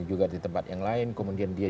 juga di tempat yang lain kemudian dia